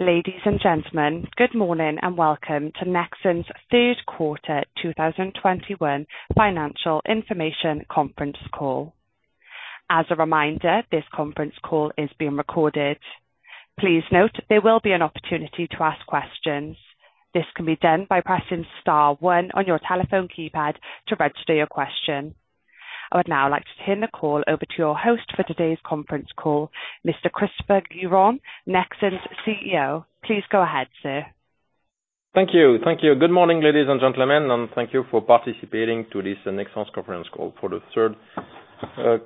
Ladies and gentlemen, good morning, and welcome to Nexans third quarter 2021 financial information conference call. As a reminder, this conference call is being recorded. Please note there will be an opportunity to ask questions. This can be done by pressing star one on your telephone keypad to register your question. I would now like to turn the call over to your host for today's conference call, Mr. Christopher Guérin, Nexans CEO. Please go ahead, sir. Thank you. Thank you. Good morning, ladies and gentlemen, and thank you for participating to this Nexans conference call for the third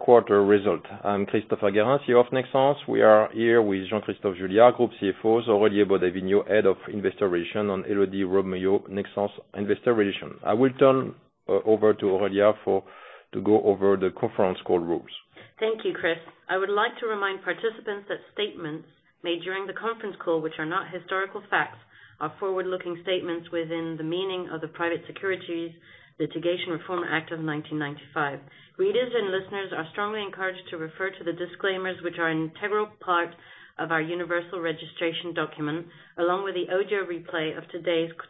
quarter result. I'm Christopher Guérin, CEO of Nexans. We are here with Jean-Christophe Juillard, Group CFO, Aurélia Baudey-Vignaud, Head of Investor Relations, and Elodie Robbe-Mouillot, Nexans' Investor Relations. I will turn over to Aurélia to go over the conference call rules. Thank you, Chris. I would like to remind participants that statements made during the conference call which are not historical facts are forward-looking statements within the meaning of the Private Securities Litigation Reform Act of 1995. Readers and listeners are strongly encouraged to refer to the disclaimers which are an integral part of our universal registration document, along with the audio replay of today's call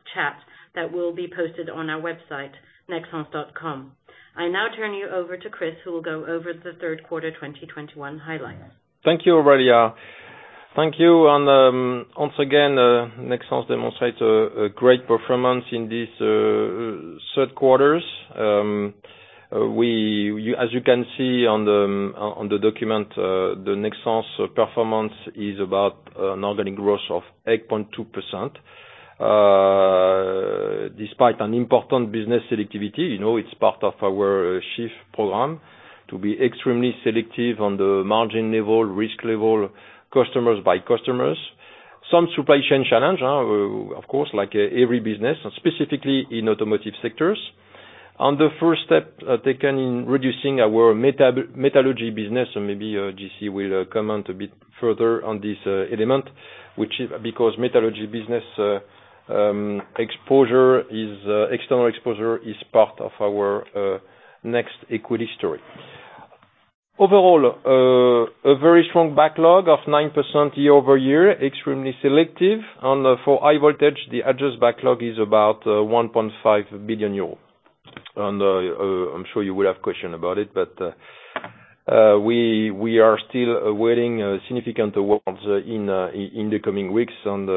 that will be posted on our website, nexans.com. I now turn you over to Chris, who will go over the third quarter 2021 highlights. Thank you, Aurélia. Thank you. Once again, Nexans demonstrate a great performance in this third quarter. As you can see on the document, the Nexans performance is about an organic growth of 8.2%. Despite an important business selectivity, you know, it's part of our SHIFT program to be extremely selective on the margin level, risk level, customers by customers. Some supply chain challenge, of course, like every business, specifically in automotive sectors. On the first step taken in reducing our metallurgy business, so maybe JC will comment a bit further on this element, which is because metallurgy business exposure is external exposure is part of our NEX equity story. Overall, a very strong backlog of 9% year-over-year, extremely selective. For high voltage, the order backlog is about 1.5 billion euros. I'm sure you will have question about it, but we are still awaiting significant awards in the coming weeks, and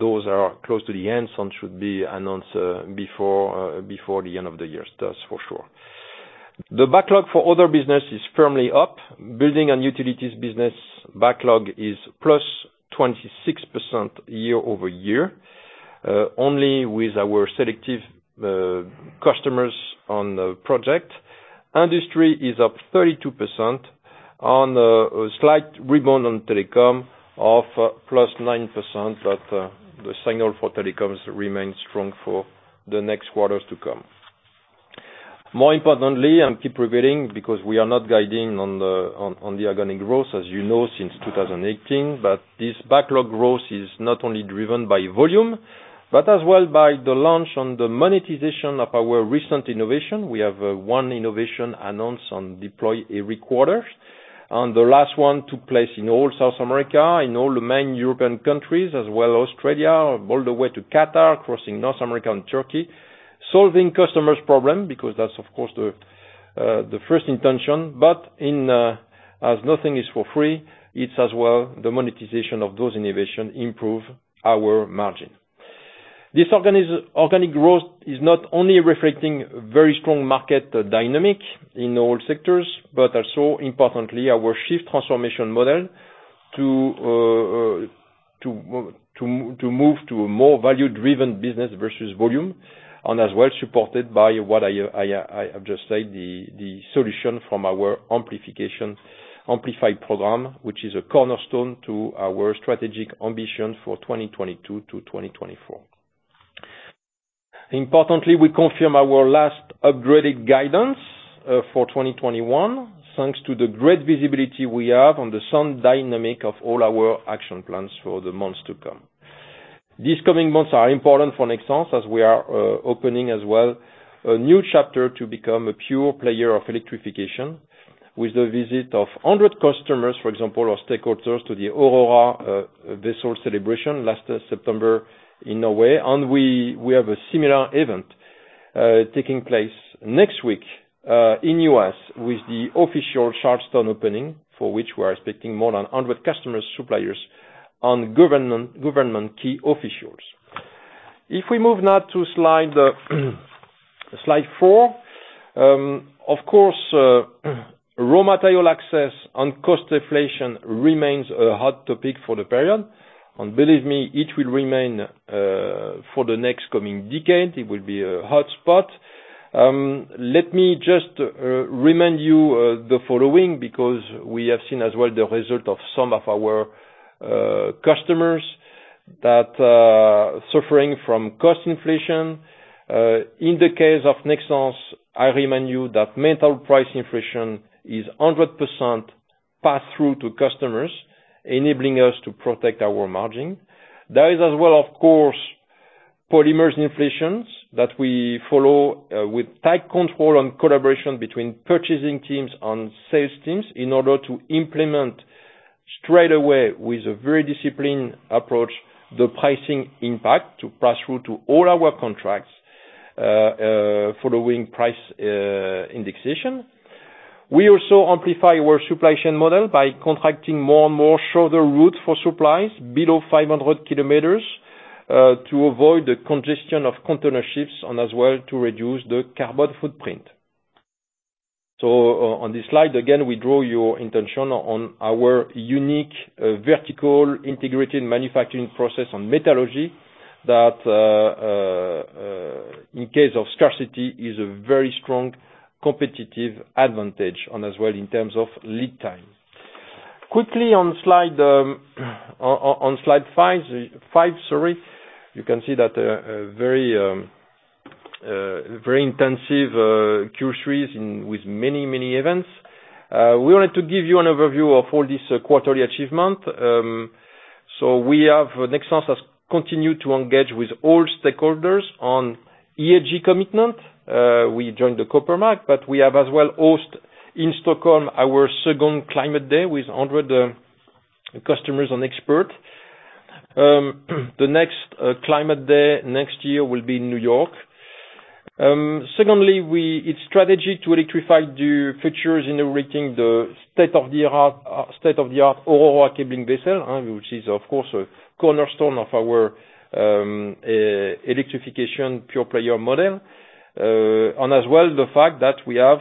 those are close to the end, some should be announced before the end of the year. That's for sure. The backlog for other business is firmly up. Building and Utilities business backlog is +26% year-over-year, only with our selective customers on the project. Industry is up 32% on a slight rebound on telecom of +9%, but the signal for telecoms remains strong for the next quarters to come. More importantly, I keep reiterating because we are not guiding on the organic growth as you know since 2018. This backlog growth is not only driven by volume, but as well by the launch on the monetization of our recent innovation. We have one innovation announced on deploy every quarter. The last one took place in all South America, in all the main European countries, as well Australia, all the way to Qatar, crossing North America and Turkey. Solving customers' problem because that's of course the first intention. In as nothing is for free, it's as well the monetization of those innovation improve our margin. This organic growth is not only reflecting very strong market dynamics in all sectors, but also importantly, our SHIFT transformation model to move to a more value-driven business versus volume, and as well supported by what I have just said, the solution from our Amplify program, which is a cornerstone to our strategic ambition for 2022 to 2024. Importantly, we confirm our last upgraded guidance for 2021, thanks to the great visibility we have on the strong dynamics of all our action plans for the months to come. These coming months are important for Nexans as we are opening as well a new chapter to become a pure player of electrification with the visit of 100 customers, for example, our stakeholders to the Aurora vessel celebration last September in Norway. We have a similar event taking place next week in U.S. with the official Charleston opening, for which we're expecting more than 100 customers, suppliers and government key officials. If we move now to slide four, of course, raw material access and cost inflation remains a hot topic for the period. Believe me, it will remain for the next coming decade. It will be a hotspot. Let me just remind you the following because we have seen as well the result of some of our customers that are suffering from cost inflation. In the case of Nexans, I remind you that metal price inflation is 100% passed through to customers, enabling us to protect our margin. There is as well, of course, polymer inflations that we follow with tight control and collaboration between purchasing teams and sales teams in order to implement straight away with a very disciplined approach, the pricing impact to pass through to all our contracts, following price indexation. We also amplify our supply chain model by contracting more and more shorter routes for supplies below 500 km to avoid the congestion of container ships and as well to reduce the carbon footprint. On this slide, again, we draw your attention on our unique vertically integrated manufacturing process on metallurgy that in case of scarcity is a very strong competitive advantage and as well in terms of lead time. Quickly on slide five, sorry, you can see that a very intensive Q3 with many events. We wanted to give you an overview of all this quarterly achievement. We have Nexans has continued to engage with all stakeholders on ESG commitment. We joined the COPEMAP, but we have as well hosted in Stockholm our second Climate Day with 100 customers and expert. The next Climate Day next year will be in New York. Secondly, it's strategy to electrify the futures, inaugurating the state-of-the-art Aurora cable-laying vessel, which is of course a cornerstone of our electrification pure player model. As well the fact that we have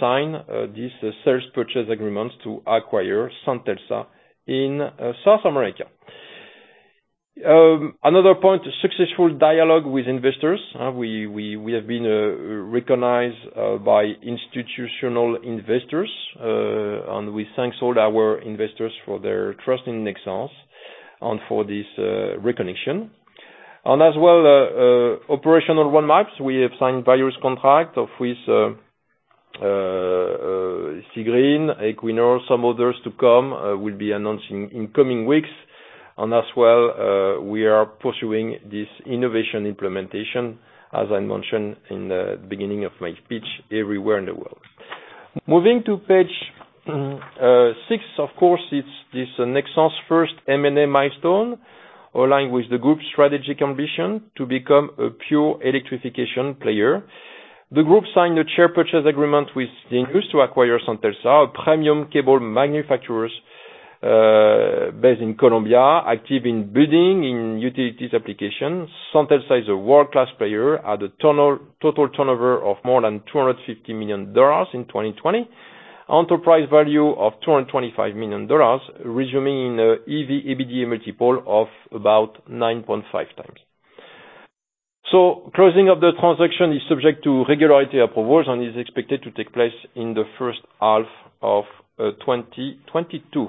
signed these sales purchase agreements to acquire Centelsa in South America. Another point, successful dialogue with investors. We have been recognized by institutional investors. We thank all our investors for their trust in Nexans and for this recognition. Operational roadmaps. We have signed various contracts with Seagreen, Equinor, some others to come. We'll be announcing in coming weeks. We are pursuing this innovation implementation, as I mentioned in the beginning of my speech, everywhere in the world. Moving to page six, of course, it's this Nexans first M&A milestone, aligned with the group strategy condition to become a pure electrification player. The group signed a share purchase agreement with Xignux to acquire Centelsa, a premium cable manufacturer based in Colombia, active in building and utilities applications. Centelsa is a world-class player in Latin America with total turnover of more than $250 million in 2020. Enterprise value of $225 million, resulting in an EV/EBITDA multiple of about 9.5x. Closing of the transaction is subject to regulatory approvals and is expected to take place in the first half of 2022.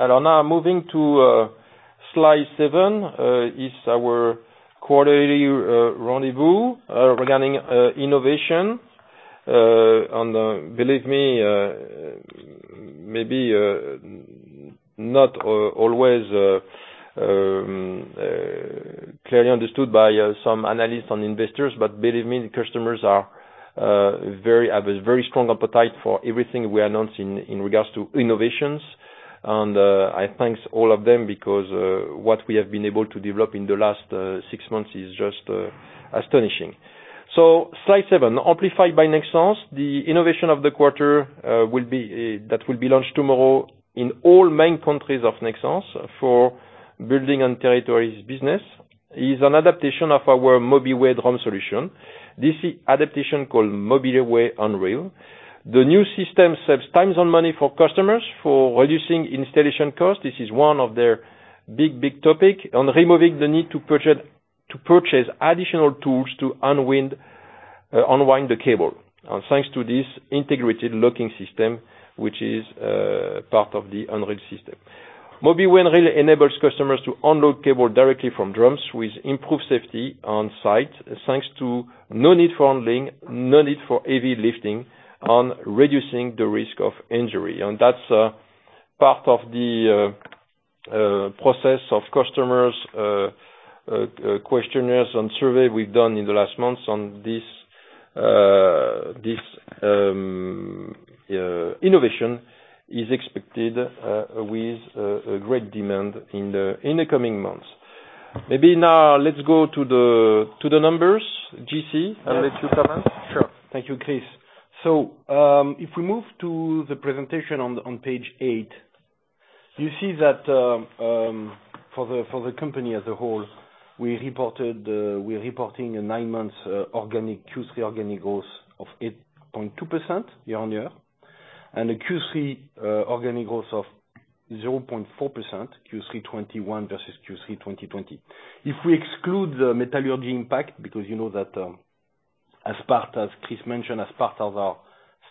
Now moving to slide seven is our quarterly rendezvous regarding innovation. Believe me, maybe not always clearly understood by some analysts and investors, but believe me, the customers have a very strong appetite for everything we announce in regards to innovations. I thank all of them because what we have been able to develop in the last six months is just astonishing. Slide seven, Amplify by Nexans, the innovation of the quarter, will be launched tomorrow in all main countries of Nexans for building and territories business, is an adaptation of our MOBIWAY drum solution. This adaptation called MOBIWAY UN'REEL. The new system saves time and money for customers for reducing installation costs. This is one of their big topic. On removing the need to purchase additional tools to unwind the cable. Thanks to this integrated locking system, which is part of the UN'REEL system. MOBIWAY UN'REEL enables customers to unload cable directly from drums with improved safety on site, thanks to no need for handling, no need for heavy lifting, and reducing the risk of injury. That's part of the process of customers' questionnaires and survey we've done in the last months on this innovation is expected with a great demand in the coming months. Maybe now let's go to the numbers. JC, I'll let you comment. Sure. Thank you, Chris. If we move to the presentation on page eight, you see that, for the company as a whole, we're reporting a nine month organic Q3 organic growth of 8.2% year-on-year, and a Q3 organic growth of 0.4% Q3 2021 versus Q3 2020. If we exclude the metallurgy impact, because you know that, as Chris mentioned, as part of our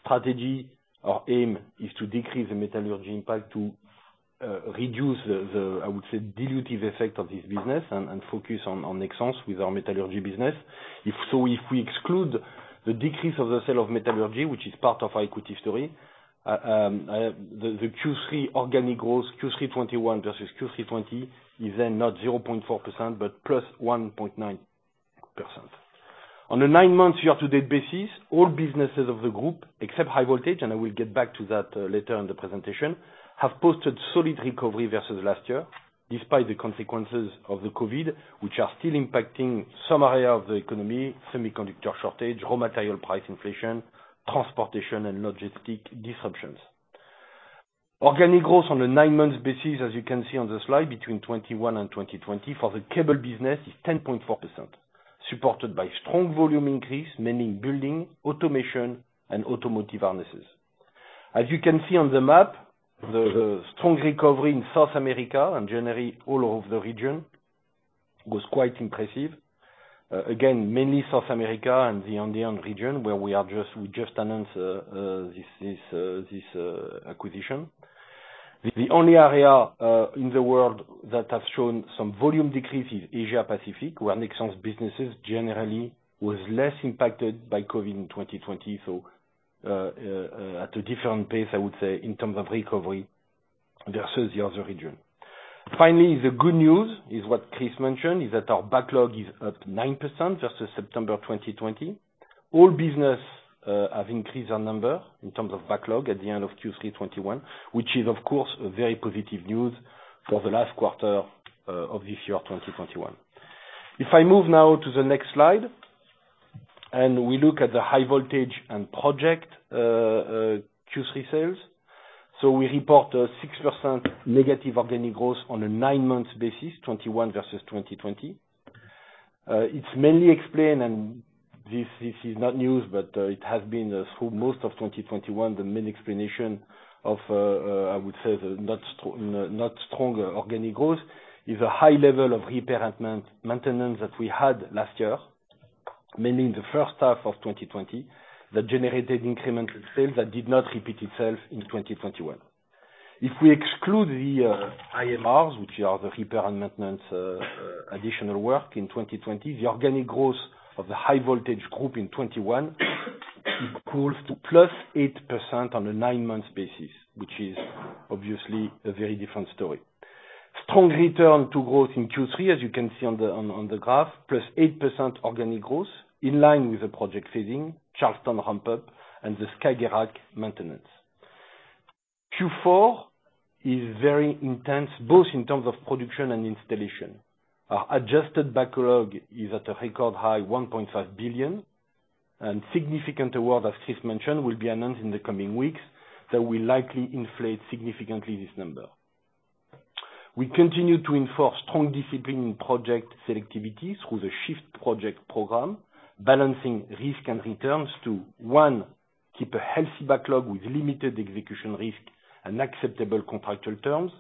strategy, our aim is to decrease the metallurgy impact to reduce the, I would say, dilutive effect of this business and focus on Nexans with our metallurgy business. If we exclude the decrease of the sale of metallurgy, which is part of our equity story, the Q3 organic growth, Q3 2021 versus Q3 2020, is then not 0.4% but +1.9%. On a nine month year-to-date basis, all businesses of the group, except High Voltage, and I will get back to that later in the presentation, have posted solid recovery versus last year despite the consequences of the COVID, which are still impacting some area of the economy, semiconductor shortage, raw material price inflation, transportation and logistic disruptions. Organic growth on the nine months basis, as you can see on the slide, between 2021 and 2020 for the cable business is 10.4%, supported by strong volume increase, mainly Building, Automation and Automotive Harnesses. As you can see on the map, the strong recovery in South America and generally all of the region was quite impressive. Again, mainly South America and the Andean region, where we just announced this acquisition. The only area in the world that has shown some volume decrease is Asia-Pacific, where Nexans businesses generally was less impacted by COVID in 2020. At a different pace, I would say, in terms of recovery versus the other region. Finally, the good news is what Chris mentioned, is that our backlog is up 9% versus September 2020. All business have increased our number in terms of backlog at the end of Q3 2021, which is, of course, a very positive news for the last quarter of this year, 2021. If I move now to the next slide and we look at the High Voltage and Projects Q3 sales. We report a -6% organic growth on a nine month basis, 2021 versus 2020. It's mainly explained, and this is not news, but it has been through most of 2021 the main explanation of, I would say, the not strong organic growth, is a high level of repair and maintenance that we had last year, mainly in the first half of 2020, that generated incremental sales that did not repeat itself in 2021. If we exclude the IMRs, which are the repair and maintenance additional work in 2020, the organic growth of the High Voltage Group in 2021 equals to +8% on a nine month basis, which is obviously a very different story. Strong return to growth in Q3, as you can see on the graph, +8% organic growth in line with the project phasing, Charleston ramp up and the Skagerrak maintenance. Q4 is very intense, both in terms of production and installation. Our adjusted backlog is at a record high 1.5 billion. Significant award, as Chris mentioned, will be announced in the coming weeks that will likely inflate significantly this number. We continue to enforce strong discipline in project selectivities through the SHIFT project program, balancing risk and returns to one, keep a healthy backlog with limited execution risk and acceptable contractual terms.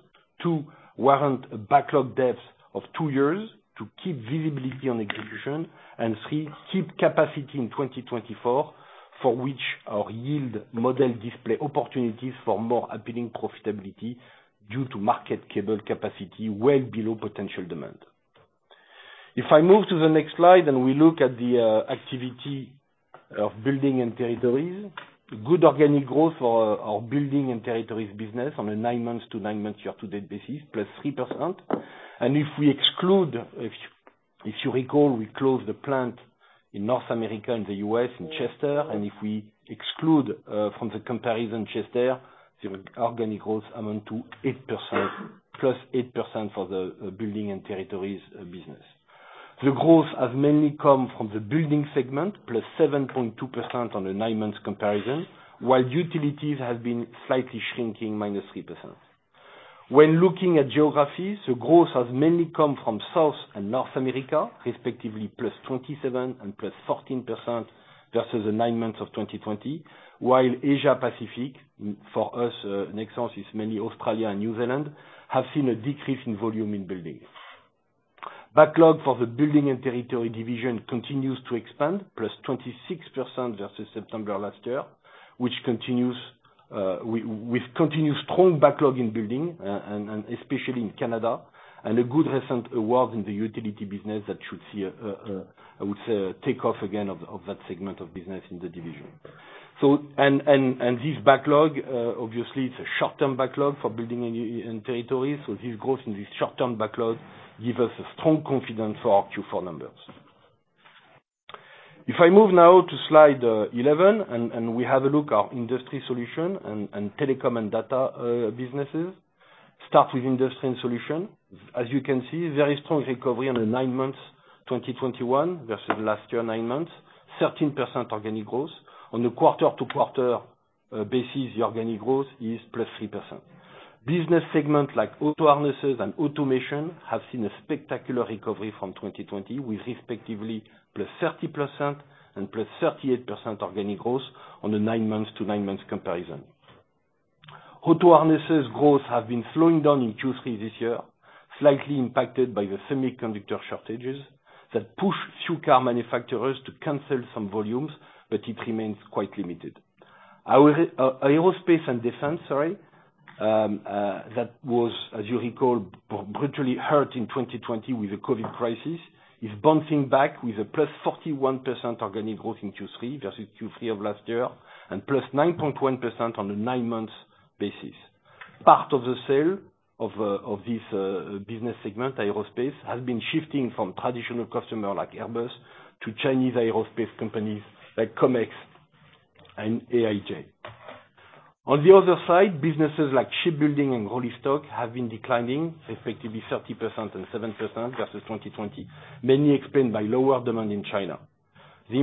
Two, warrant a backlog depth of two years to keep visibility on execution. And, three, keep capacity in 2024, for which our yield model display opportunities for more appealing profitability due to market cable capacity well below potential demand. If I move to the next slide and we look at the activity of Building and Territories, good organic growth for our Building and Territories business on a nine months to nine months year-to-date basis, +3%. If you recall, we closed the plant in North America, in the U.S., in Chester. If we exclude from the comparison Chester, the organic growth amounts to +8% for the Building and Territories business. The growth has mainly come from the Building segment, +7.2% on the nine months comparison, while utilities have been slightly shrinking, -3%. When looking at geographies, the growth has mainly come from South and North America, respectively +27% and +14% versus the nine months of 2020, while Asia-Pacific, for us, Nexans, is mainly Australia and New Zealand, have seen a decrease in volume in Building. Backlog for the Building and Territory division continues to expand, +26% versus September last year, which continues with continued strong backlog in Building and especially in Canada, and a good recent award in the Utility business that should see, I would say, a takeoff again of that segment of business in the division. This backlog obviously it's a short-term backlog for Building and Territories. This growth in this short-term backlog give us a strong confidence for our Q4 numbers. If I move now to slide 11, and we have a look at Industry Solutions and Telecom & Data businesses. Start with Industry Solutions. As you can see, very strong recovery on the nine months 2021 versus last year nine months, 13% organic growth. On a quarter-to-quarter basis, the organic growth is +3%. Business segment like Auto Harnesses and Automation have seen a spectacular recovery from 2020, with respectively +30% and +38% organic growth on the nine months to nine months comparison. Auto Harnesses growth has been slowing down in Q3 this year, slightly impacted by the semiconductor shortages that push few car manufacturers to cancel some volumes, but it remains quite limited. Our Aerospace & Defense, that was, as you recall, brutally hurt in 2020 with the COVID crisis. It's bouncing back with a +41% organic growth in Q3, versus Q3 of last year, and +9.1% on the nine month basis. Part of the sales of this business segment, Aerospace, has been shifting from traditional customers like Airbus to Chinese aerospace companies like COMAC and AIJ. On the other side, businesses like shipbuilding and rolling stock have been declining, effectively 30% and 7% versus 2020. Mainly explained by lower demand in China. The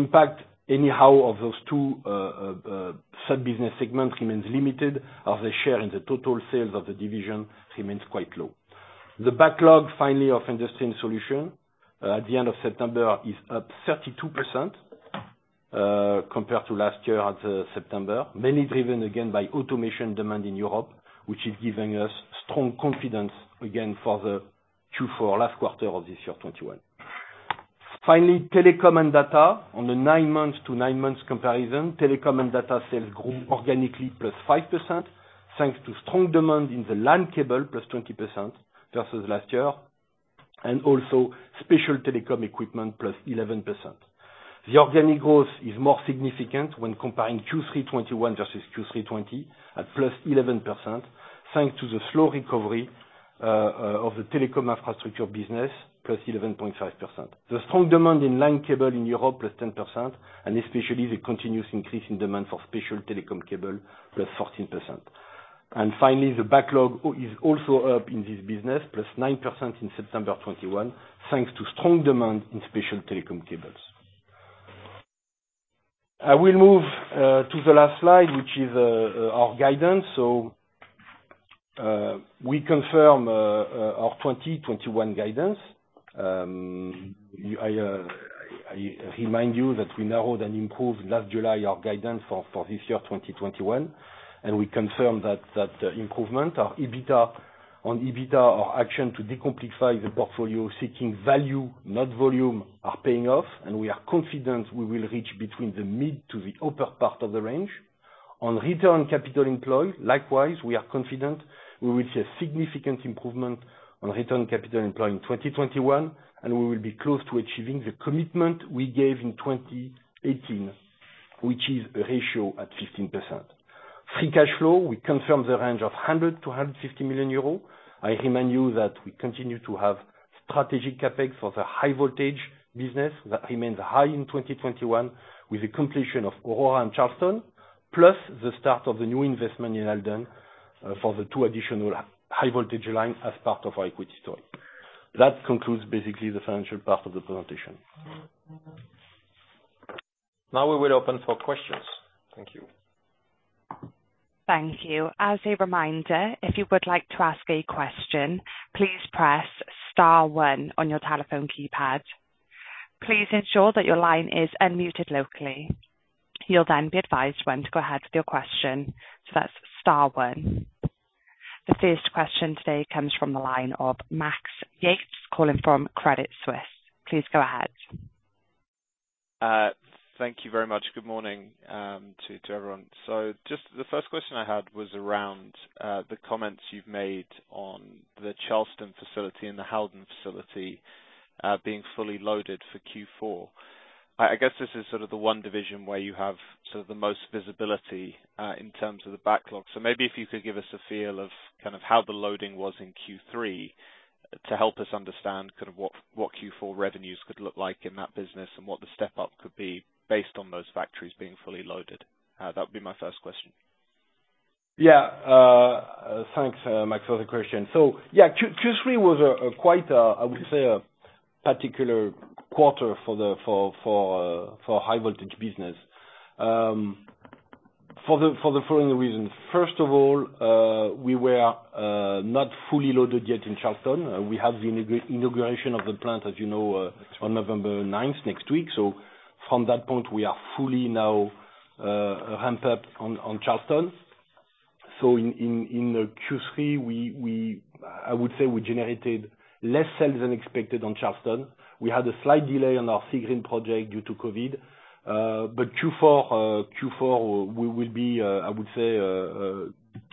impact anyhow of those two sub-business segments remains limited as their share in the total sales of the division remains quite low. The backlog finally of Industry & Solutions at the end of September is up 32%, compared to last year at September. Mainly driven again by automation demand in Europe, which is giving us strong confidence again for the Q4 last quarter of this year 2021. Finally, Telecom & Data. On the nine months to nine months comparison, Telecom & Data sales grew organically +5%, thanks to strong demand in the LAN cable +20% versus last year, and also special telecom equipment +11%. The organic growth is more significant when comparing Q3 2021 versus Q3 2020 +11%, thanks to the slow recovery of the Telecom Infrastructure business +11.5%. The strong demand in line cable in Europe +10%, and especially the continuous increase in demand for special telecom cable, +14%. Finally, the backlog is also up in this business, +9% in September 2021, thanks to strong demand in special telecom cables. I will move to the last slide, which is our guidance. We confirm our 2021 guidance. I remind you that we narrowed and improved last July our guidance for this year 2021, and we confirm that improvement. On EBITDA, our action to de-complicify the portfolio, seeking value not volume, are paying off, and we are confident we will reach between the mid to the upper part of the range. On return capital employed, likewise, we are confident we will see a significant improvement on return capital employed in 2021, and we will be close to achieving the commitment we gave in 2018, which is a ratio at 15%. Free cash flow, we confirm the range of 100 million-150 million euros. I remind you that we continue to have strategic CapEx for the High Voltage business that remains high in 2021, with the completion of Aurora and Charleston, plus the start of the new investment in Halden for the two additional high voltage lines as part of our equity story. That concludes basically the financial part of the presentation. Now we will open for questions. Thank you. Thank you. As a reminder, if you would like to ask a question, please press star one on your telephone keypad. Please ensure that your line is unmuted locally. You'll then be advised when to go ahead with your question. That's star one. The first question today comes from the line of Max Yates calling from Credit Suisse. Please go ahead. Thank you very much. Good morning to everyone. Just the first question I had was around the comments you've made on the Charleston facility and the Halden facility being fully loaded for Q4. I guess this is sort of the one division where you have sort of the most visibility in terms of the backlog. Maybe if you could give us a feel of kind of how the loading was in Q3 to help us understand kind of what Q4 revenues could look like in that business and what the step-up could be based on those factories being fully loaded. That would be my first question. Thanks, Max, for the question. Q3 was quite a particular quarter for the High Voltage business for the following reasons. First of all, we were not fully loaded yet in Charleston. We have the inauguration of the plant, as you know, on November 9th, next week. From that point, we are fully ramped up on Charleston. In Q3, I would say we generated less sales than expected on Charleston. We had a slight delay on our Seagreen project due to COVID. But Q4, we will be, I would say,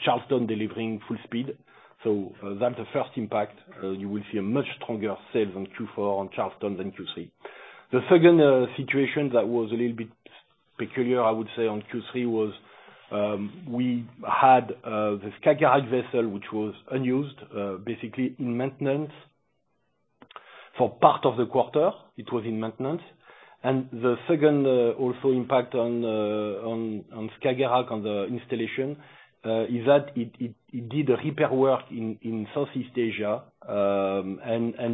Charleston delivering full speed. That's the first impact. You will see much stronger sales in Q4 in Charleston than Q3. The second situation that was a little bit peculiar, I would say, in Q3 was we had the Skagerrak vessel, which was unused, basically in maintenance. For part of the quarter, it was in maintenance. The second impact on Skagerrak on the installation is that it did repair work in Southeast Asia.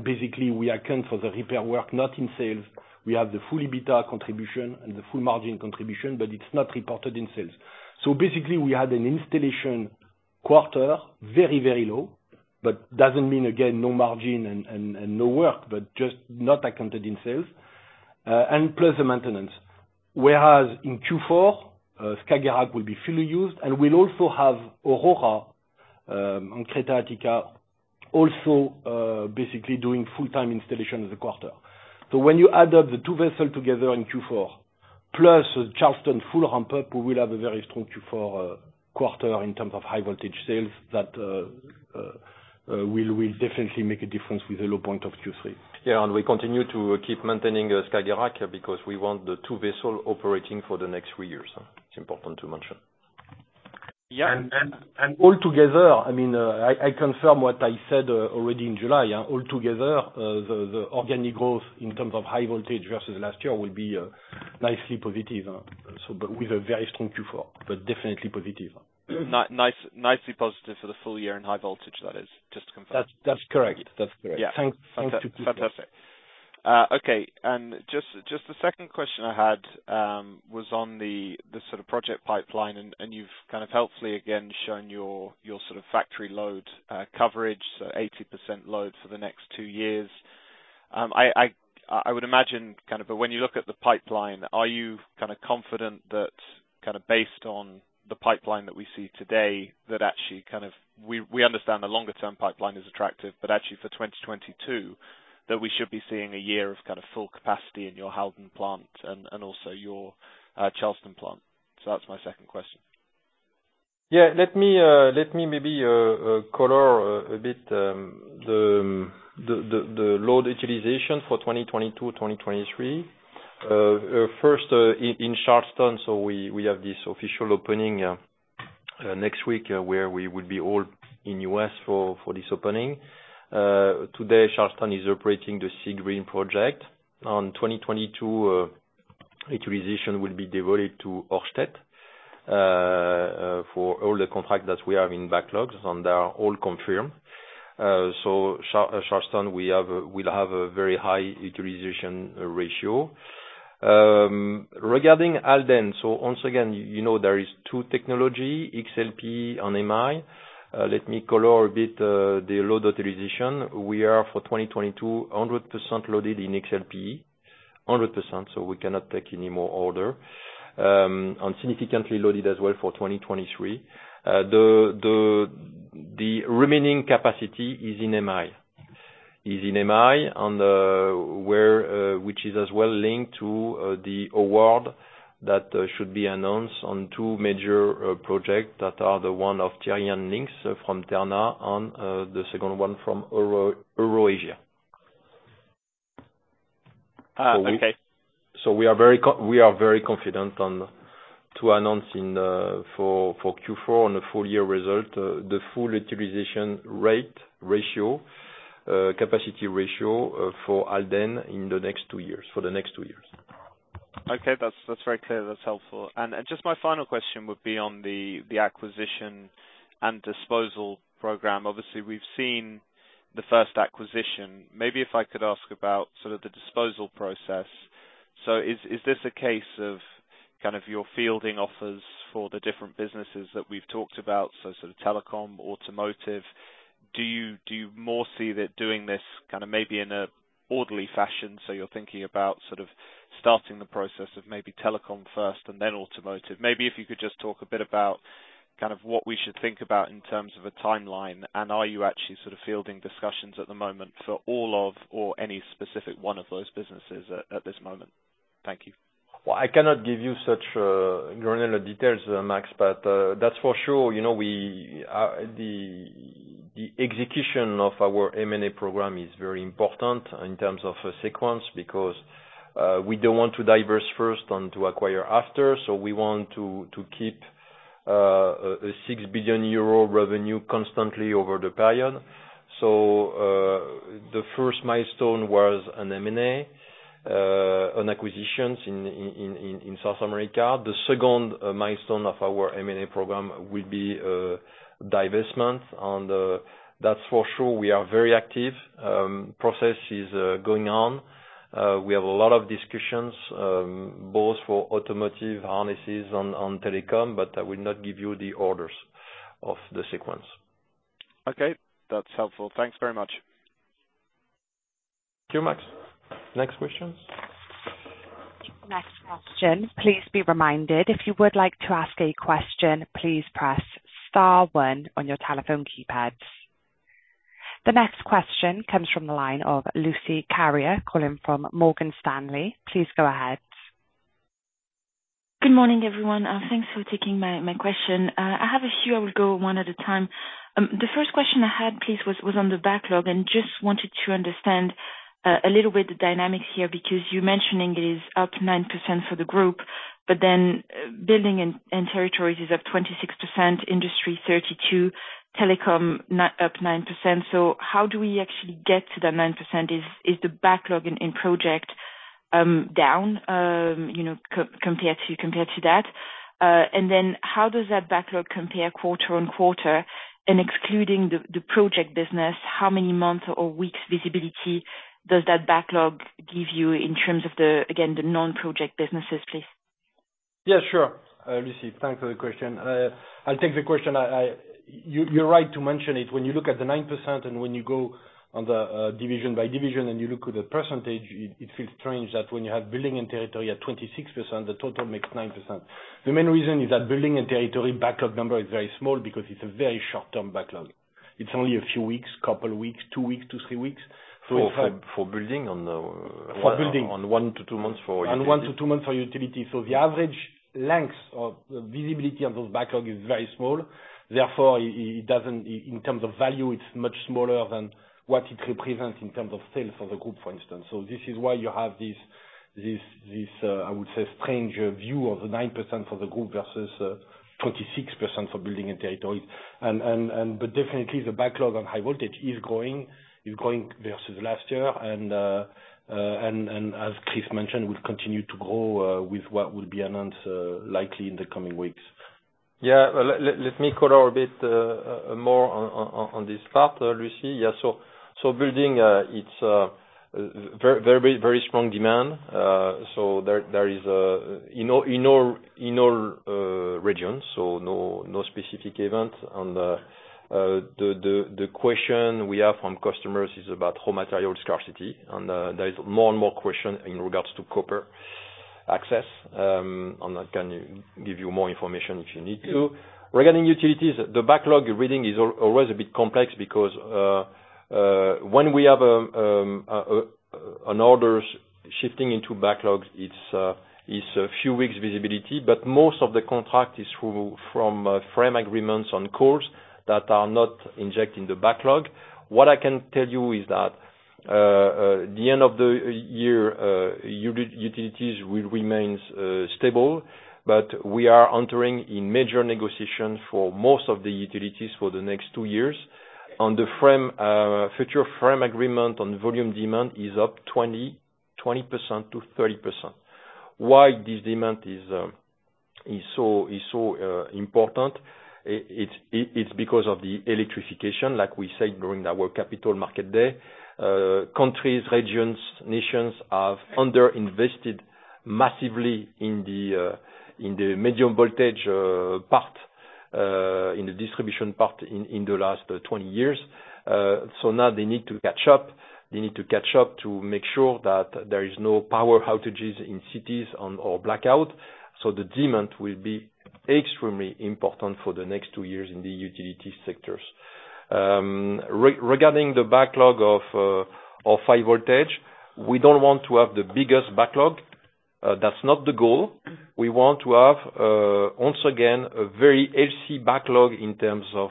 Basically, we account for the repair work not in sales. We have the full EBITDA contribution and the full margin contribution, but it's not reported in sales. Basically, we had an installation quarter very low, but doesn't mean, again, no margin and no work, but just not accounted in sales and plus the maintenance. Whereas in Q4, Skagerrak will be fully used, and we'll also have Aurora on Crete-Attica, also basically doing full-time installation of the quarter. When you add up the two vessels together in Q4, plus Charleston full ramp-up, we will have a very strong Q4 quarter in terms of high voltage sales that will definitely make a difference with the low point of Q3. Yeah, we continue to keep maintaining Skagerrak because we want the two vessel operating for the next three years. It's important to mention. Altogether, I mean, I confirm what I said already in July. Altogether, the organic growth in terms of High Voltage versus last year will be nicely positive. But with a very strong Q4, but definitely positive. Nice, nicely positive for the full year and High Voltage, that is. Just to confirm. That's correct. Yeah. Thanks. Thanks to Q4. Fantastic. Okay. Just the second question I had was on the sort of project pipeline, and you've kind of helpfully again shown your sort of factory load coverage, so 80% load for the next two years. I would imagine kind of when you look at the pipeline, are you kind of confident that kind of based on the pipeline that we see today, that actually kind of we understand the longer term pipeline is attractive, but actually for 2022 that we should be seeing a year of kind of full capacity in your Halden plant and also your Charleston plant. That's my second question. Let me maybe color a bit the load utilization for 2022, 2023. First, in Charleston, we have this official opening next week, where we will be all in U.S. for this opening. Today, Charleston is operating the Seagreen project. In 2022, utilization will be devoted to Ørsted for all the contracts that we have in backlogs and are all confirmed. Charleston will have a very high utilization ratio. Regarding Halden, once again, you know, there are two technologies, XLPE and MI. Let me color a bit the load utilization. We are for 2022, 100% loaded in XLPE. 100%, so we cannot take any more orders. And significantly loaded as well for 2023. The remaining capacity is in MI, which is as well linked to the award that should be announced on two major project that are the one of Tyrrhenian Link from Terna and the second one from EuroAsia. Okay. We are very confident to announce, for Q4 on a full year result, the full utilization rate ratio, capacity ratio, for Halden in the next two years. Okay. That's very clear. That's helpful. Just my final question would be on the acquisition and disposal program. Obviously, we've seen the first acquisition. Maybe if I could ask about sort of the disposal process. Is this a case of kind of you're fielding offers for the different businesses that we've talked about, so sort of Telecom, Automotive? Do you more see that doing this kind of maybe in an orderly fashion, so you're thinking about sort of starting the process of maybe Telecom first and then Automotive? Maybe if you could just talk a bit about kind of what we should think about in terms of a timeline, and are you actually sort of fielding discussions at the moment for all of or any specific one of those businesses at this moment? Thank you. Well, I cannot give you such granular details, Max, but that's for sure, you know, the execution of our M&A program is very important in terms of sequence because we don't want to divest first and to acquire after. We want to keep 6 billion euro revenue constantly over the period. The first milestone was an M&A on acquisitions in South America. The second milestone of our M&A program will be divestment, and that's for sure, we are very active. Process is going on. We have a lot of discussions both for Automotive harnesses on Telecom, but I will not give you the orders of the sequence. Okay. That's helpful. Thanks very much. Thank you, Max. Next question. Next question. Please be reminded, if you would like to ask a question, please press star one on your telephone keypads. The next question comes from the line of Lucie Carrier, calling from Morgan Stanley. Please go ahead. Good morning, everyone. Thanks for taking my question. I have a few. I will go one at a time. The first question I had, please, was on the backlog and just wanted to understand a little bit the dynamics here, because you mentioning it is up 9% for the group, but then Building and Territories is up 26%, Industry 32%, Telecom up 9%. How do we actually get to the 9%? Is the backlog in project down, you know, compared to that? And then how does that backlog compare quarter on quarter? And excluding the project business, how many months or weeks visibility does that backlog give you in terms of the, again, the non-project businesses, please? Yeah, sure. Lucie, thanks for the question. I'll take the question. You're right to mention it. When you look at the 9% and when you go on the division by division and you look at the percentage, it feels strange that when you have Building and Territories at 26%, the total makes 9%. The main reason is that Building and Territories backlog number is very small because it's a very short-term backlog. It's only a few weeks, couple weeks, two weeks to three weeks. For Building on the For Building. On one to two months for Utility. In one to two months for Utility. The average length of the visibility of those backlog is very small. Therefore, in terms of value, it's much smaller than what it represents in terms of sales for the group, for instance. This is why you have this, I would say, strange view of the 9% for the group versus 26% for Building and Territories. But definitely the backlog on high voltage is growing versus last year. As Chris mentioned, it will continue to grow with what will be announced likely in the coming weeks. Yeah. Let me color a bit more on this part, Lucie. Building, it's very strong demand. There is in all regions. No specific event. The question we have from customers is about raw material scarcity. There is more and more questions in regards to copper access. I can give you more information if you need to. Regarding Utilities, the backlog reading is always a bit complex because when we have orders shifting into backlogs, it's a few weeks visibility. Most of the contract is through from frame agreements on calls that are not injecting the backlog. What I can tell you is that the end of the year utilities will remain stable, but we are entering in major negotiation for most of the utilities for the next two years. On the frame future frame agreement on volume demand is up 20%-30%. Why this demand is so important, it's because of the electrification, like we said during our Capital Market Day. Countries, regions, nations have underinvested massively in the medium voltage part in the distribution part in the last 20 years. So now they need to catch up. They need to catch up to make sure that there is no power outages in cities or blackout. So the demand will be extremely important for the next two years in the utility sectors. Regarding the backlog of High Voltage, we don't want to have the biggest backlog. That's not the goal. We want to have, once again, a very healthy backlog in terms of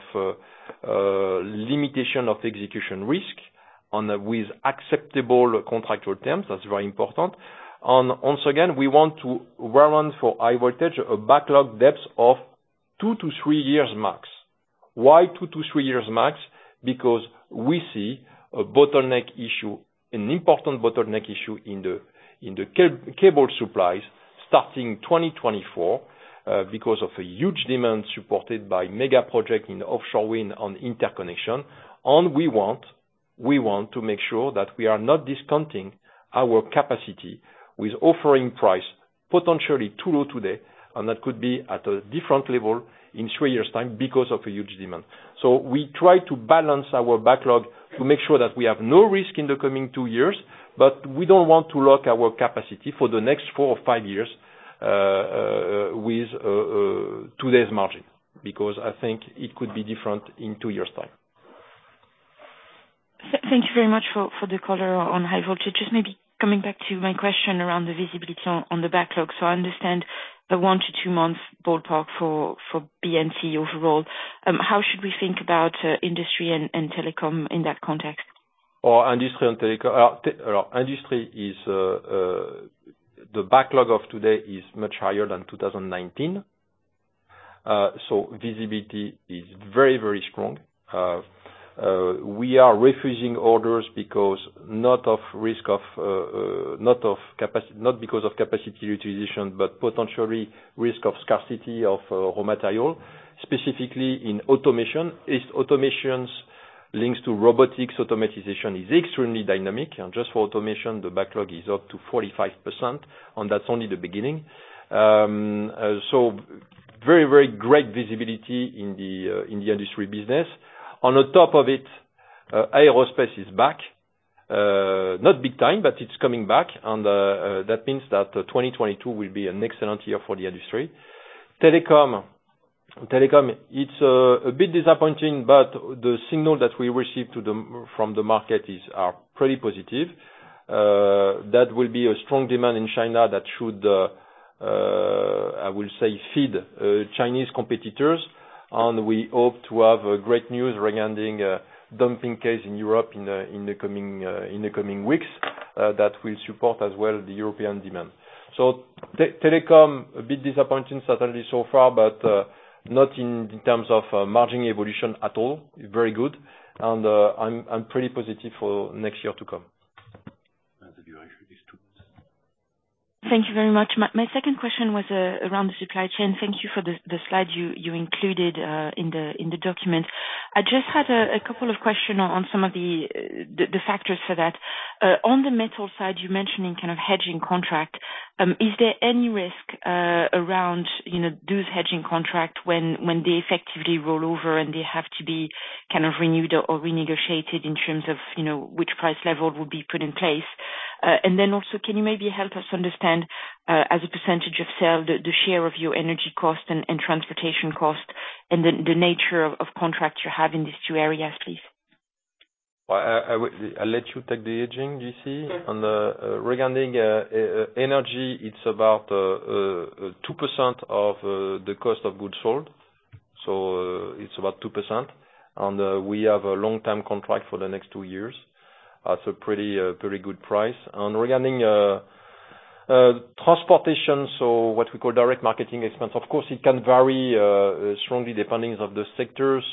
limitation of execution risk with acceptable contractual terms. That's very important. Once again, we want to run for High Voltage a backlog depth of two to three years max. Why two to three years max? Because we see a bottleneck issue, an important bottleneck issue in the cable supplies starting 2024, because of a huge demand supported by mega project in offshore wind on interconnection. We want to make sure that we are not discounting our capacity with offering price potentially too low today, and that could be at a different level in three years' time because of a huge demand. We try to balance our backlog to make sure that we have no risk in the coming two years, but we don't want to lock our capacity for the next four or five years with today's margin, because I think it could be different in two years' time. Thank you very much for the color on High Voltage. Just maybe coming back to my question around the visibility on the backlog. I understand the one to two months ballpark for B&T overall. How should we think about Industry and Telecom in that context? Oh, Industry and Telecom. Industry is the backlog today is much higher than 2019. Visibility is very, very strong. We are refusing orders not because of capacity utilization, but potential risk of scarcity of raw material, specifically in automation. It's automation links to robotics. Automation is extremely dynamic. Just for Automation, the backlog is up to 45%, and that's only the beginning. Very, very great visibility in the Industry business. On top of it, Aerospace is back. Not big time, but it's coming back. That means that 2022 will be an excellent year for the industry. Telecom, it's a bit disappointing, but the signal that we receive from the market is pretty positive. That will be a strong demand in China that should, I will say, feed Chinese competitors. We hope to have a great news regarding a dumping case in Europe in the coming weeks that will support as well the European demand. Telecom, a bit disappointing certainly so far, but not in terms of margin evolution at all. Very good. I'm pretty positive for next year to come. Thank you very much. My second question was around the supply chain. Thank you for the slide you included in the document. I just had a couple of questions on some of the factors for that. On the metal side, you mentioned in-kind hedging contracts. Is there any risk around, you know, those hedging contracts when they effectively roll over and they have to be kind of renewed or renegotiated in terms of, you know, which price level will be put in place? Can you maybe help us understand, as a percentage of sales, the share of your energy cost and transportation cost and the nature of contracts you have in these two areas, please? Well, I let you take the hedging, JC. Regarding energy, it's about 2% of the cost of goods sold, so it's about 2%. We have a long-term contract for the next two years at a pretty good price. Regarding transportation, so what we call direct marketing expense, of course, it can vary strongly depending on the sectors.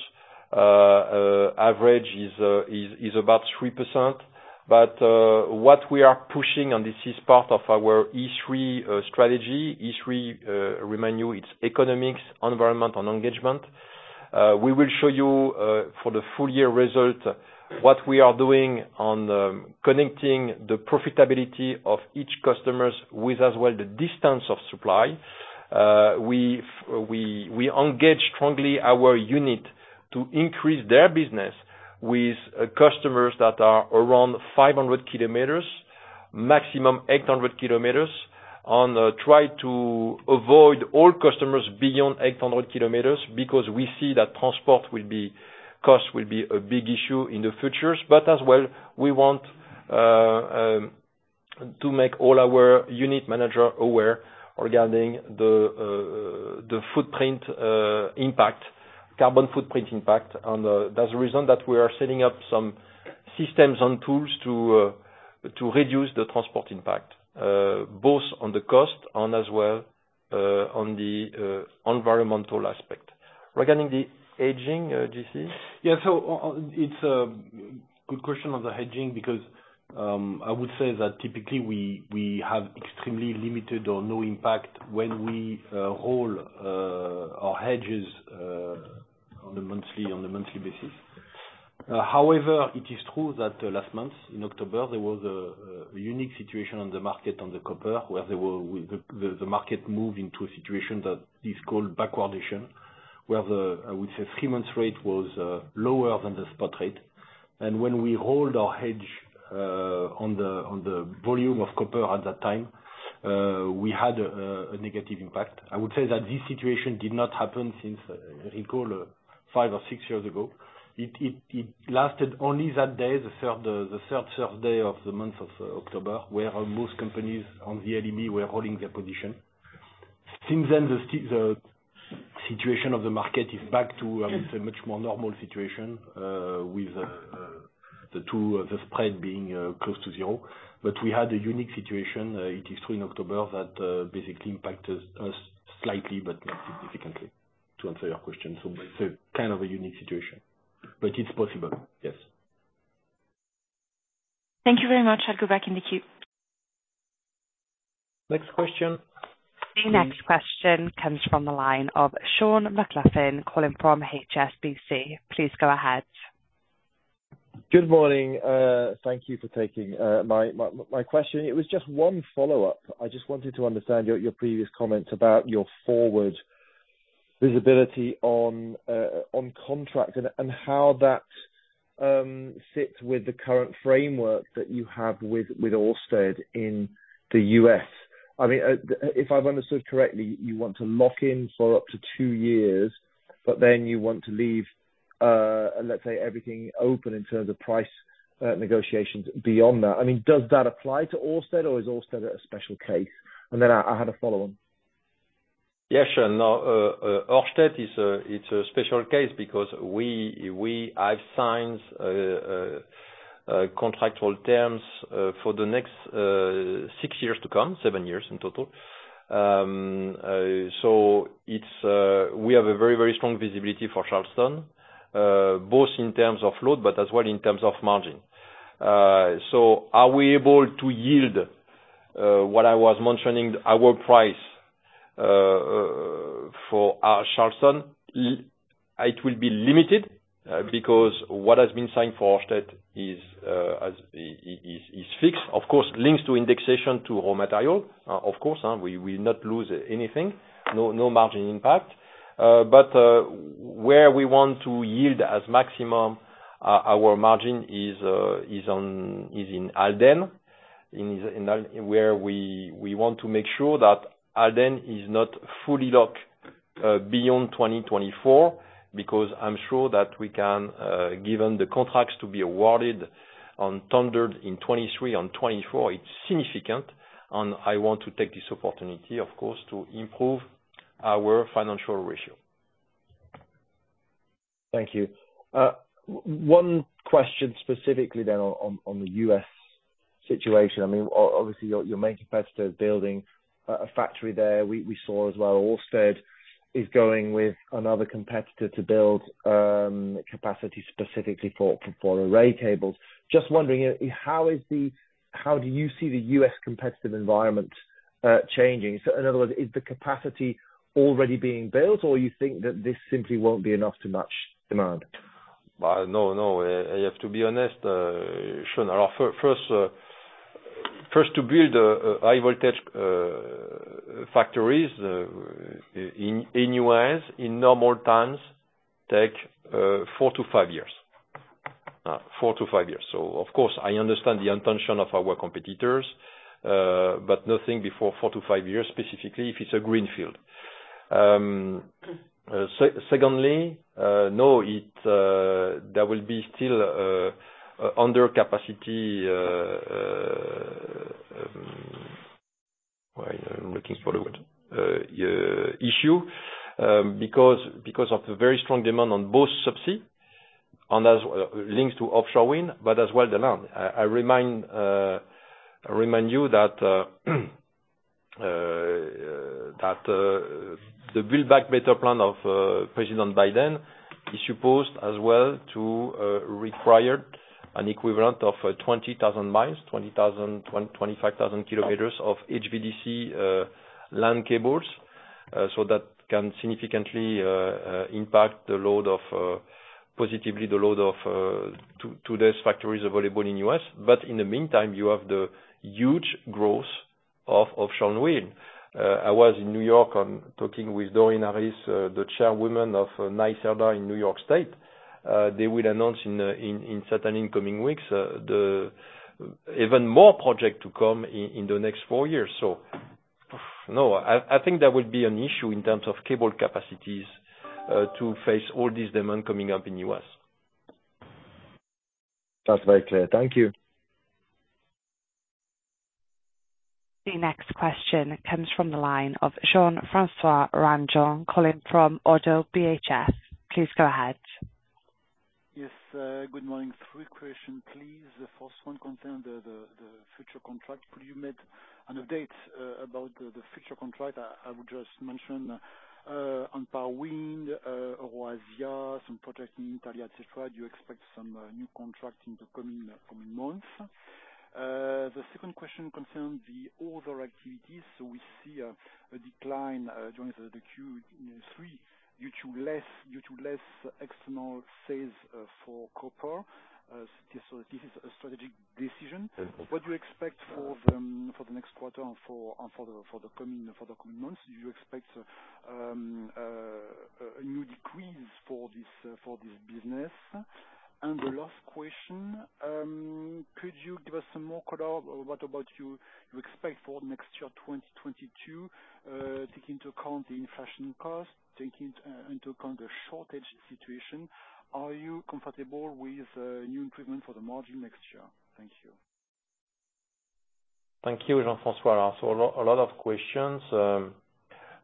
Average is about 3%. But what we are pushing on this is part of our E3 strategy. E3, remind you, it's economics, environment and engagement. We will show you for the full year result what we are doing on connecting the profitability of each customers with as well the distance of supply. We engage strongly our unit to increase their business with customers that are around 500 km, maximum 800 km, and try to avoid all customers beyond 800 km because we see that transport cost will be a big issue in the future. As well, we want to make all our unit manager aware regarding the footprint impact, carbon footprint impact. That's the reason that we are setting up some systems and tools to reduce the transport impact both on the cost and as well on the environmental aspect. Regarding the hedging, JC. Yeah. It's a good question on the hedging because I would say that typically we have extremely limited or no impact when we hold our hedges on a monthly basis. However, it is true that last month, in October, there was a unique situation on the market on the copper, where the market moved into a situation that is called backwardation, where, I would say, the three month rate was lower than the spot rate. When we hold our hedge on the volume of copper at that time, we had a negative impact. I would say that this situation did not happen since, I recall, five or six years ago. It lasted only that day, the third Thursday of the month of October, where most companies on the LME were holding their position. Since then, the situation of the market is back to a much more normal situation, I would say, with the two, the spread being close to zero. We had a unique situation. It is true in October that basically impacted us slightly but not significantly, to answer your question. It's a kind of a unique situation, but it's possible. Yes. Thank you very much. I'll go back in the queue. Next question. The next question comes from the line of Sean McLoughlin calling from HSBC. Please go ahead. Good morning. Thank you for taking my question. It was just one follow-up. I just wanted to understand your previous comments about your forward visibility on contracts and how that sits with the current framework that you have with Ørsted in the U.S. I mean, if I've understood correctly, you want to lock in for up to two years, but then you want to leave, let's say everything open in terms of price negotiations beyond that. I mean, does that apply to Ørsted or is Ørsted a special case? Then I had a follow-on. Yeah, Sean. No, Ørsted is a special case because we have signed contractual terms for the next six years to come, seven years in total. We have a very strong visibility for Charleston both in terms of load, but as well in terms of margin. Are we able to yield what I was mentioning our price for Charleston? It will be limited because what has been signed for Ørsted is fixed. Of course, links to indexation to raw material. Of course, we will not lose anything. No margin impact. Where we want to yield as maximum our margin is in Halden, where we want to make sure that Halden is not fully locked beyond 2024, because I'm sure that we can, given the contracts to be awarded and tendered in 2023 and 2024, it's significant, and I want to take this opportunity of course to improve our financial ratio. Thank you. One question specifically then on the U.S. situation. I mean, obviously your main competitor is building a factory there. We saw as well Ørsted is going with another competitor to build capacity specifically for array cables. Just wondering how do you see the U.S. competitive environment changing? In other words, is the capacity already being built, or you think that this simply won't be enough to match demand? No. I have to be honest, Sean. First, to build a high-voltage factories in the U.S. in normal times take four to five years. Of course, I understand the intention of our competitors, but nothing before four to five years, specifically if it's a greenfield. Secondly, no, there will be still under capacity, well, issue. Because of the very strong demand on both subsea and land links to offshore wind, but as well the land. I remind you that the Build Back Better plan of President Biden is supposed as well to require an equivalent of 20,000 miles, 25,000 km of HVDC land cables. That can significantly positively impact the load of today's factories available in U.S. In the meantime, you have the huge growth of offshore wind. I was in New York talking with Doreen Harris, the chairwoman of NYSERDA in New York State. They will announce in the coming weeks the even more projects to come in the next four years. No, I think there will be an issue in terms of cable capacities to face all this demand coming up in U.S. That's very clear. Thank you. The next question comes from the line of Jean-François Granjon calling from Oddo BHF. Please go ahead. Yes, good morning. Three questions, please. The first one concerns the future contract. Could you make an update about the future contract? I would just mention on EuroAsia, some project in Italy, etc., do you expect some new contract in the coming months? The second question concerns the other activities. We see a decline during the Q3 due to less external sales for copper. This is a strategic decision. What do you expect for the next quarter and for the coming months? Do you expect a new decrease for this business? The last question, could you give us some more color on what do you expect for next year, 2022, taking into account the inflation costs, the shortage situation. Are you comfortable with new improvement for the margin next year? Thank you. Thank you, Jean-François Granjon. A lot of questions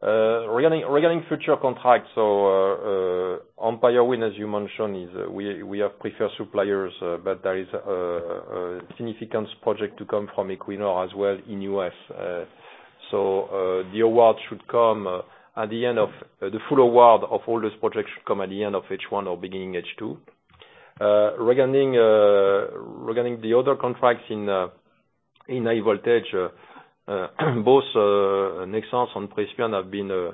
regarding future contracts on Empire Wind, as you mentioned. We have preferred suppliers, but there is a significant project to come from Equinor as well in U.S. The full award of all this project should come at the end of H1 or beginning H2. Regarding the other contracts in High Voltage, both Nexans and Prysmian have been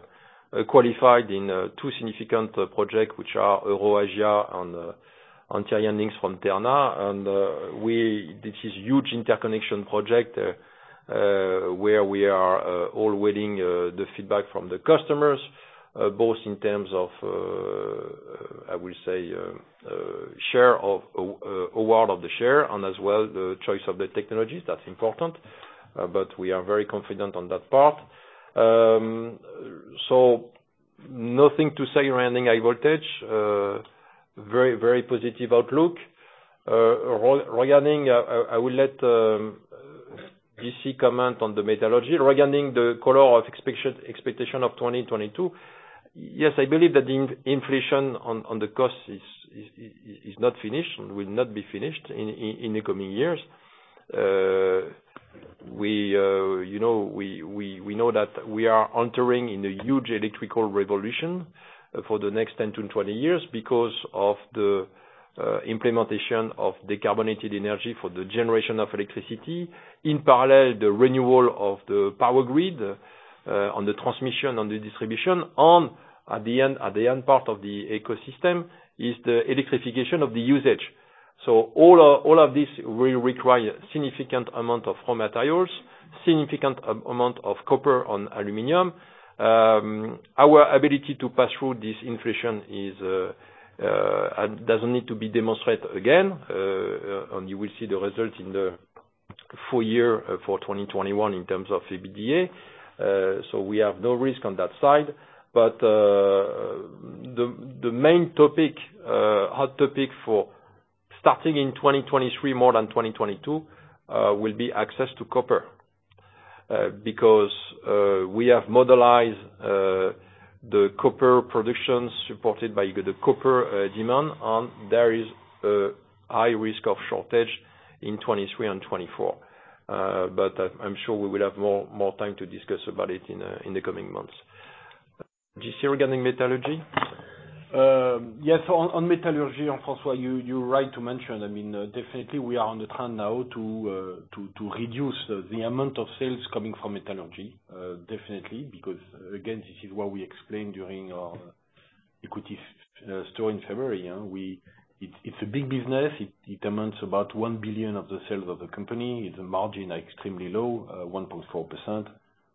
qualified in two significant project, which are EuroAsia and Ionian Link from Terna. This is huge interconnection project where we are all waiting the feedback from the customers both in terms of, I will say, share of award of the share, and as well, the choice of the technologies. That's important. We are very confident on that part. Nothing to say regarding High Voltage. Very positive outlook. I will let JC comment on the metallurgy. Regarding the color of expectation of 2022, yes, I believe that inflation on the cost is not finished and will not be finished in the coming years. We know that we are entering in a huge electrical revolution for the next 10 to 20 years because of the implementation of decarbonated energy for the generation of electricity. In parallel, the renewal of the power grid on the transmission, on the distribution, and at the end part of the ecosystem is the electrification of the usage. All of this will require significant amount of raw materials, significant amount of copper and aluminum. Our ability to pass through this inflation it doesn't need to be demonstrated again, and you will see the results in the full year for 2021 in terms of EBITDA. We have no risk on that side. The main hot topic for starting in 2023 more than 2022 will be access to copper. Because we have modeled the copper production supported by the copper demand, and there is a high risk of shortage in 2023 and 2024. I'm sure we will have more time to discuss about it in the coming months. JC, regarding metallurgy? Yes, on metallurgy, Jean-François Granjon, you're right to mention. I mean, definitely we are on the trend now to reduce the amount of sales coming from metallurgy. Definitely, because again, this is what we explained during our equity story in February. You know, it's a big business. It amounts to about 1 billion of the sales of the company. The margins are extremely low, 1.4%.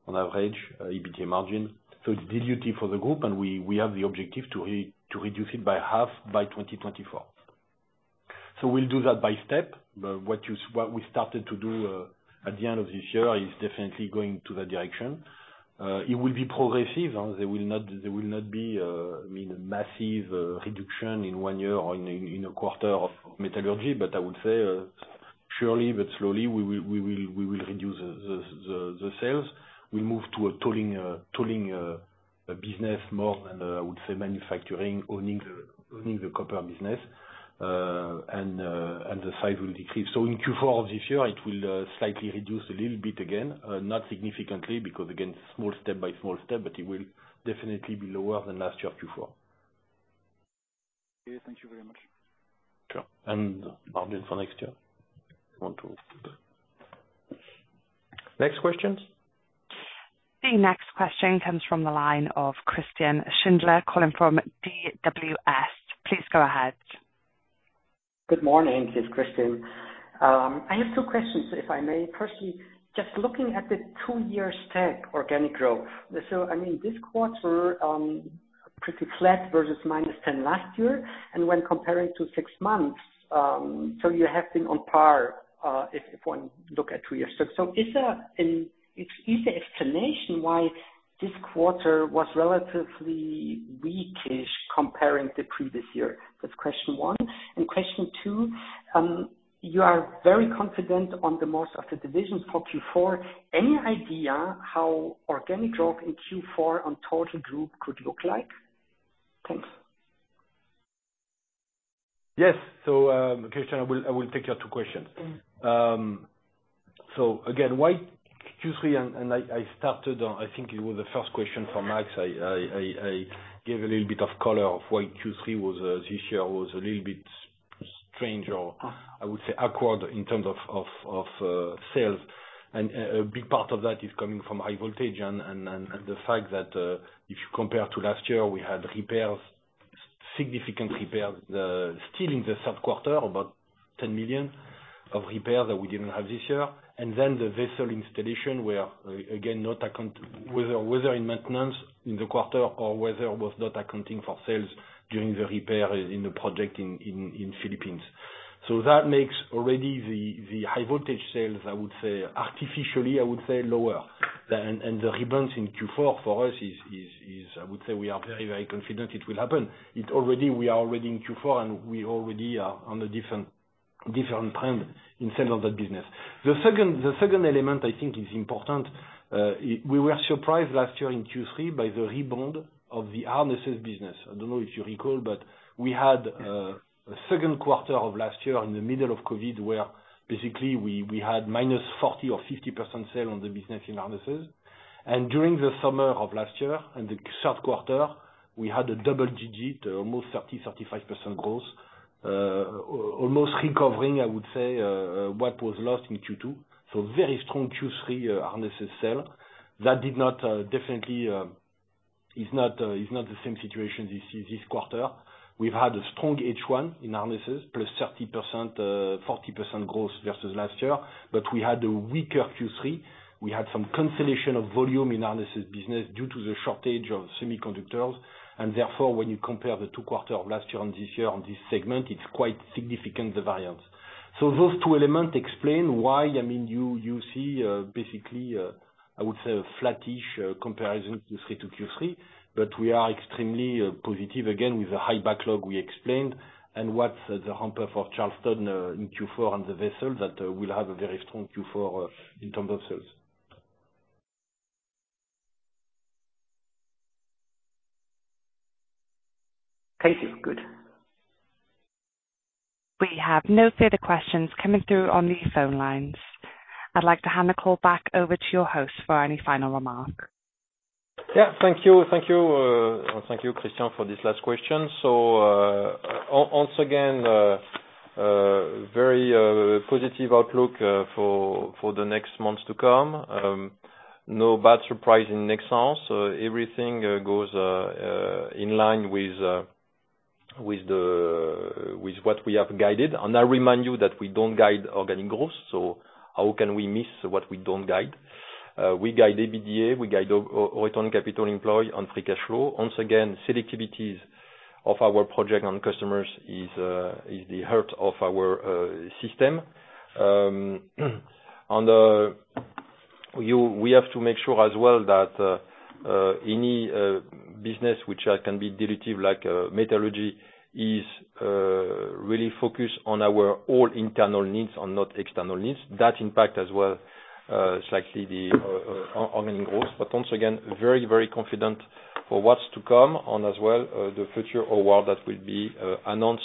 On average, EBT margin. So it's dilutive for the group, and we have the objective to reduce it by half by 2024. So we'll do that by step. But what we started to do at the end of this year is definitely going in the direction. It will be progressive, they will not be, I mean, a massive reduction in one year or in a quarter of metallurgy. I would say, surely but slowly, we will reduce the sales. We move to a tooling business more than, I would say manufacturing, owning the copper business. And the size will decrease. In Q4 of this year, it will slightly reduce a little bit, again, not significantly because again, small step by small step, but it will definitely be lower than last year Q4. Okay. Thank you very much. Sure. Margin for next year. Want to Next questions. The next question comes from the line of Christian Schindler, calling from DWS. Please go ahead. Good morning. It's Christian. I have two questions, if I may. First, just looking at the two-year stack organic growth. I mean, this quarter, pretty flat versus -10% last year. When comparing to six months, you have been on par, if one looks at two years. Is there an easier explanation why this quarter was relatively weak-ish comparing to previous year? That's question one. Question two, you are very confident on most of the divisions for Q4. Any idea how organic growth in Q4 on total group could look like? Thanks. Yes. Christian, I will take your two questions. Again, why Q3? I gave a little bit of color why Q3 was this year was a little bit strange or I would say awkward in terms of sales. A big part of that is coming from high voltage and the fact that if you compare to last year, we had significant repairs still in the third quarter, about 10 million of repairs that we didn't have this year. Then the vessel installation were again not account. Whether in maintenance in the quarter or whether it was not accounting for sales during the repair in the project in Philippines. That makes already the high voltage sales, I would say, artificially, I would say lower. The rebound in Q4 for us is I would say we are very confident it will happen. We are already in Q4, and we already are on a different trend in sales of that business. The second element I think is important. We were surprised last year in Q3 by the rebound of the harnesses business. I don't know if you recall, but we had a second quarter of last year in the middle of COVID, where basically we had minus 40 or 50% sales on the business in harnesses. During the summer of last year, in the third quarter, we had double-digit, almost 30-35% growth. Almost recovering, I would say, what was lost in Q2. Very strong Q3 harnesses sale. That is definitely not the same situation this quarter. We've had a strong H1 in harnesses, +30% to 40% growth versus last year, but we had a weaker Q3. We had some consolidation of volume in harnesses business due to the shortage of semiconductors. Therefore, when you compare the two quarters of last year and this year on this segment, it's quite significant, the variance. Those two elements explain why, I mean, you see, basically, I would say a flatish comparison Q3 to Q3, but we are extremely positive again with the high backlog we explained and what's the bumper for Charleston in Q4 and the vessel that will have a very strong Q4 in terms of sales. Thank you. Good. We have no further questions coming through on the phone lines. I'd like to hand the call back over to your host for any final remarks. Thank you, Christian, for this last question. Once again, very positive outlook for the next months to come. No bad surprise in Nexans. Everything goes in line with what we have guided. I remind you that we don't guide organic growth. How can we miss what we don't guide? We guide EBITDA, we guide return on capital employed on free cash flow. Once again, selectivity of our projects and customers is the heart of our system. We have to make sure as well that any business which can be dilutive like metallurgy is really focused on our all internal needs and not external needs. That impacted as well, slightly the organic growth. Once again, very confident for what's to come and as well, the future award that will be announced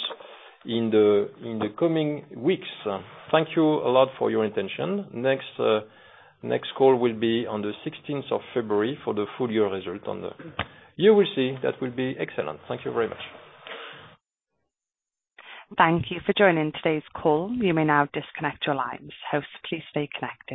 in the coming weeks. Thank you a lot for your attention. Next call will be on the 16th of February for the full year result. You will see that will be excellent. Thank you very much. Thank you for joining today's call. You may now disconnect your lines. Hosts, please stay connected.